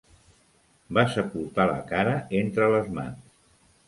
Va sepultar la cara entre les mans.